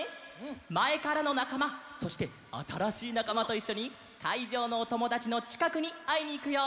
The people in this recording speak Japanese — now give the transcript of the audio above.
まえからのなかまそしてあたらしいなかまといっしょにかいじょうのおともだちのちかくにあいにいくよ！